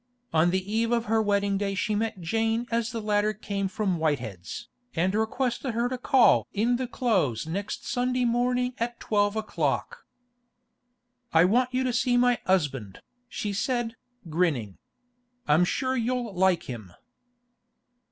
On the eve of her wedding day she met Jane as the latter came from Whitehead's, and requested her to call in the Close next Sunday morning at twelve o'clock. 'I want you to see my 'usband,' she said, grinning. 'I'm sure you'll like him.